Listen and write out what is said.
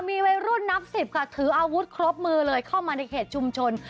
มีวัยรุ่นนับสิบทืออาวุธครบมือเก็บชุมชน